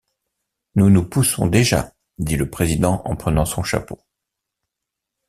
Nous nous poussons déjà, dit le président en prenant son chapeau.